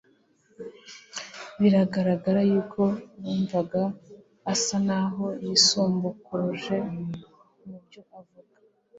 bigaragaza yuko bumvaga asa n’aho yisumbukuruje mu byo avuze.